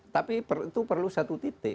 tapi itu perlu satu titik